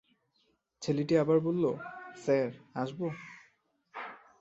ছেলেটি আবার বলল, স্যার, আসব?